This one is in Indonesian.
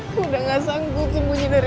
gue udah gak sanggup sembunyi dari anji